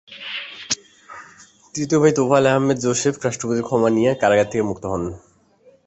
তৃতীয় ভাই তোফায়েল আহমেদ জোসেফ রাষ্ট্রপতির ক্ষমা নিয়ে কারাগার থেকে মুক্ত হন।